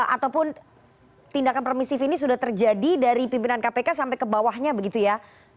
ataupun tindakan permisif ini sudah terjadi dari pimpinan kpk sampai ke bawahnya begitu ya